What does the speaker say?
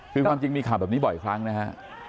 คือความจริงมีข่าวแบบนี้บ่อยครั้งนะฮะ